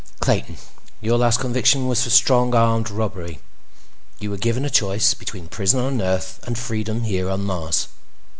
"Clayton, your last conviction was for strong arm robbery. You were given a choice between prison on Earth and freedom here on Mars.